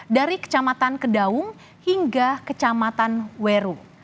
dari kecamatan kedaung hingga kecamatan weru